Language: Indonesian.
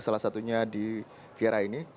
salah satunya di kiara ini